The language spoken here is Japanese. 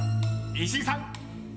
石井さん］